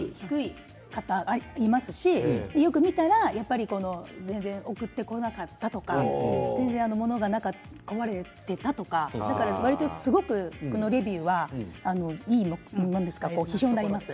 低い方もいますしよく見たら全然送ってこなかったとか物が壊れていたとかわりとこのレビューは基準になります。